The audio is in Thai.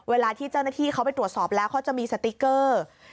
เวลาที่เจ้าหน้าที่เขาไปตรวจสอบแล้วเขาจะมีสติ๊กเกอร์